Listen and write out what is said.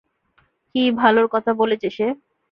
কি ভালোর কথা বলেছে সে?